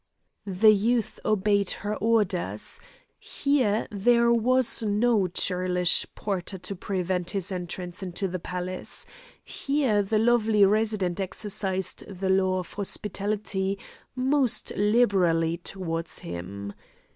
The youth obeyed her orders: here there was no churlish porter to prevent his entrance into the palace; here the lovely resident exercised the law of hospitality most liberally towards him.